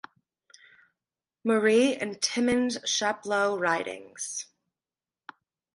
Marie and Timmins-Chapleau ridings.